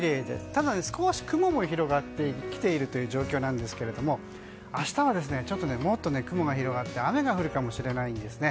ただ、少し雲も広がってきているという状況なんですが明日はちょっと雲が広がって雨が降るかもしれないんですね。